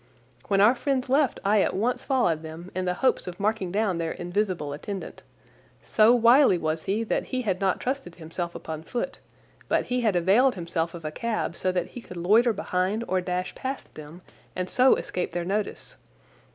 When our friends left I at once followed them in the hopes of marking down their invisible attendant. So wily was he that he had not trusted himself upon foot, but he had availed himself of a cab so that he could loiter behind or dash past them and so escape their notice.